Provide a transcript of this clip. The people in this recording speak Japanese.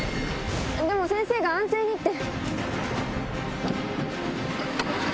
でも先生が安静にって。